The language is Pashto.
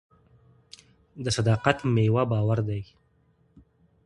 د صداقت میوه باور دی.